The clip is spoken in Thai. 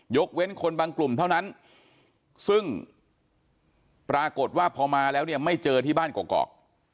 เว้นคนบางกลุ่มเท่านั้นซึ่งปรากฏว่าพอมาแล้วเนี่ยไม่เจอที่บ้านกอก